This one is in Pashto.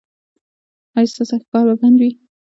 ایا ستاسو ښکار به بند وي؟